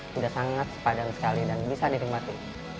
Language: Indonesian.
sudah sangat sepadan sekali dan bisa dinikmati